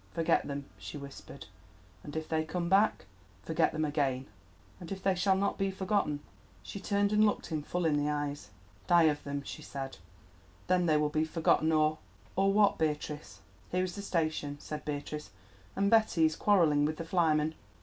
"Forget them," she whispered. "And if they come back?" "Forget them again." "And if they will not be forgotten?" She turned and looked him full in the eyes. "Die of them," she said; "then they will be forgotten, or——" "Or what, Beatrice?" "Here is the station," said Beatrice, "and Betty is quarrelling with the flyman."